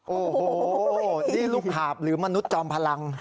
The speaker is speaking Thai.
โอ้โหนี่ลูกหาบหรือมนุษย์จอมพลัง